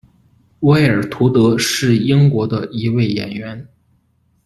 威尔·图德是英国的一位演员。